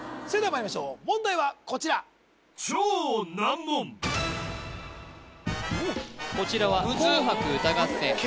それではまいりましょう問題はこちらこちらは「紅白歌合戦」